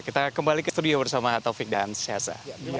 kita kembali ke studio bersama taufik dan syaza